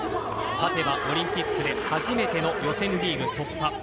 勝てばオリンピックで初めての予選リーグ突破。